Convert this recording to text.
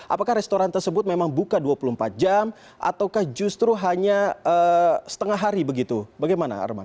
apakah restoran tersebut memang buka dua puluh empat jam ataukah justru hanya setengah hari begitu bagaimana arman